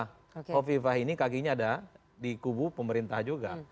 kofifah ini kakinya ada di kubu pemerintah juga